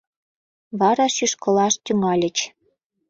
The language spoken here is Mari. Вара шӱшкылаш тӱҥальыч.